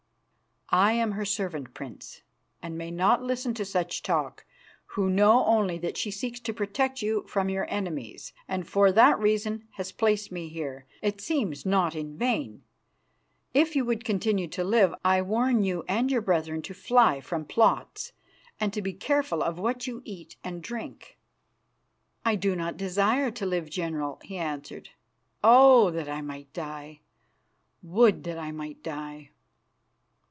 "I am her servant, Prince, and may not listen to such talk, who know only that she seeks to protect you from your enemies, and for that reason has placed me here, it seems not in vain. If you would continue to live, I warn you and your brethren to fly from plots and to be careful of what you eat and drink." "I do not desire to live, General," he answered. "Oh! that I might die. Would that I might die."